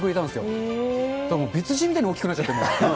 そうしたら別人みたいに大きくなっちゃって。